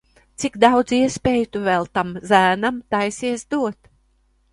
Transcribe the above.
Cik daudz iespēju tu vēl tam zēnam taisies dot?